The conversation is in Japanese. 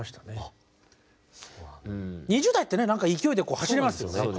２０代ってね何か勢いで走れますよね。